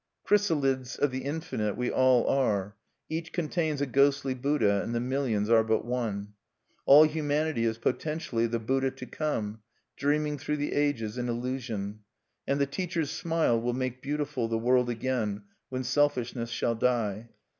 Chrysalides of the infinite we all are: each contains a ghostly Buddha, and the millions are but one. All humanity is potentially the Buddha to come, dreaming through the ages in Illusion; and the teacher's smile will make beautiful the world again when selfishness shall die.